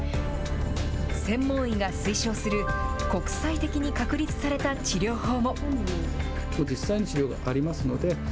専門医が推奨する国際的に確立された治療法も。